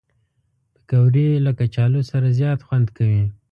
پکورې له کچالو سره زیات خوند کوي